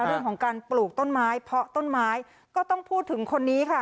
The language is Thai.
เรื่องของการปลูกต้นไม้เพราะต้นไม้ก็ต้องพูดถึงคนนี้ค่ะ